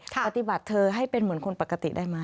ปฏิบัติเธอให้เป็นเหมือนคนปกติได้ไหม